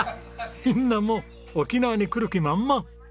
みんなもう沖縄に来る気満々！